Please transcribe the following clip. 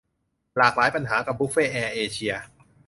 หลากหลายปัญหา กับ บุฟเฟ่ต์แอร์เอเชีย